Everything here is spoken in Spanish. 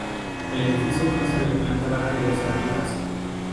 El edificio consta de planta baja y dos alturas.